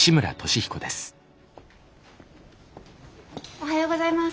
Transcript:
おはようございます。